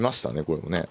これもね。